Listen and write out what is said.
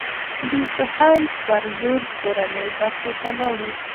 د سهیل پر لور کورنۍ برخې ته لاړو.